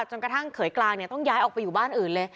จนกระทั่งเขยกลางต้องย้ายออกไปอยู่บ้านอื่นเลย